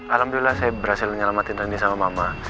alhamdulillah saya berhasil menyelamatin randy sama mama